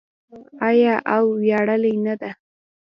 آیا او ویاړلې نه ده؟